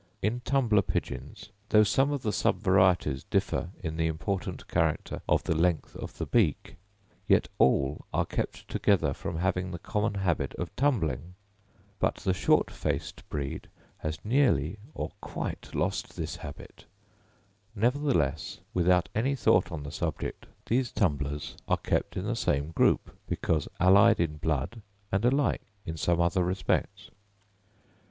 In tumbler pigeons, though some of the subvarieties differ in the important character of the length of the beak, yet all are kept together from having the common habit of tumbling; but the short faced breed has nearly or quite lost this habit; nevertheless, without any thought on the subject, these tumblers are kept in the same group, because allied in blood and alike in some other respects.